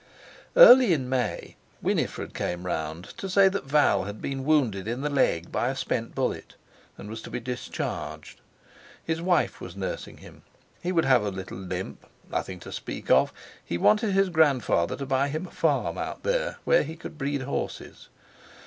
Early in May, Winifred came round to say that Val had been wounded in the leg by a spent bullet, and was to be discharged. His wife was nursing him. He would have a little limp—nothing to speak of. He wanted his grandfather to buy him a farm out there where he could breed horses.